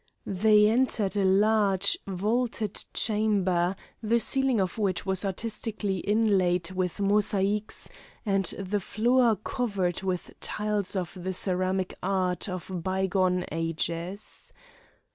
They entered a large, vaulted chamber, the ceiling of which was artistically inlaid with mosaïques, and the floor covered with tiles of the ceramic art of bygone ages.